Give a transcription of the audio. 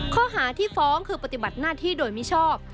ข้อหาที่ฟ้องคือปฏิบัติหน้าที่โดยมิชอบ